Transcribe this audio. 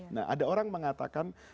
nah ada orang mengatakan